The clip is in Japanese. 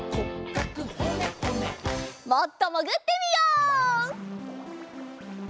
もっともぐってみよう。